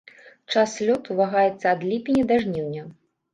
Час лёту вагаецца ад ліпеня да жніўня.